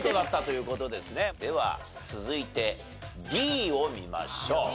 では続いてＤを見ましょう。